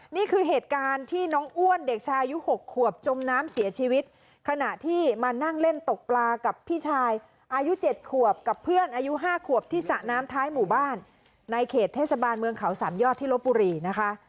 นี่คือเหตุการณ์ที่น้องอ้วนเด็กชายุ๖ขวบจมน้ำเสียชีวิตขณะที่มานั่งเล่นตกปลากับพี่ชายอายุ๗ขวบกับเพื่อนอายุ๕ขวบที่สระน้ำท้ายหมู่บ้านในเขตเทศบาลเมืองเขาสามยอดที่ลบบุรีนะคะ